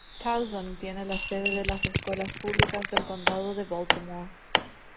Towson tiene la sede de las Escuelas Públicas del Condado de Baltimore.